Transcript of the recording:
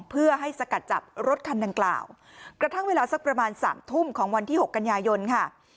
เพื่อให้สกัดจับรถคันดังกล่าวกระทั่งเวลาสักประมาณสามทุ่มของวันที่๖กันยายนค่ะ